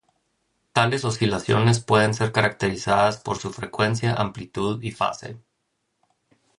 Tales oscilaciones pueden ser caracterizadas por su frecuencia, amplitud y fase.